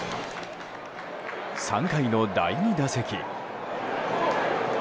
３回の第２打席。